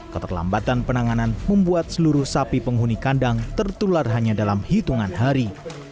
keterlambatan penanganan membuat seluruh sapi penghuni kandang tertular hanya dalam hitungan hari